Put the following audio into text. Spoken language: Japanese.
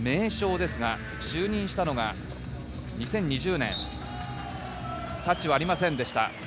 名将ですが就任したのが２０２０年、タッチはありませんでした。